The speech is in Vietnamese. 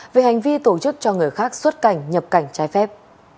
về hành vi tổ chức cho người khác xuất cảnh nhập cảnh trái phép